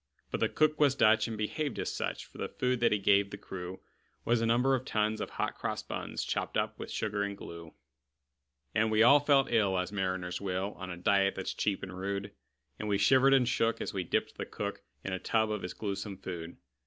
But the cook was Dutch, and behaved as such; For the food that he gave the crew Was a number of tons of hot cross buns, Chopped up with sugar and glue. And we all felt ill as mariners will, On a diet that's cheap and rude; And we shivered and shook as we dipped the cook In a tub of his gluesome food.